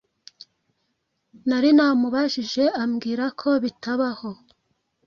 Nari namubajije ambwira ko bitabaho.